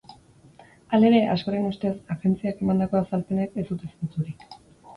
Halere, askoren ustez, agentziak emandako azalpenek ez dute zentzurik.